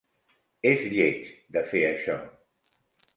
És lleig, de fer això.